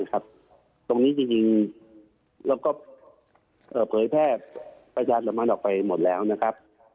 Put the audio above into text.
ตรงนี้จริงเราก็เผยแพร่ประชาสัมพันธ์ออกไปหมดแล้วนะครับ